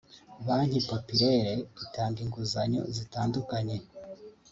Banki Populaire itanga inguzanyo zitandukanye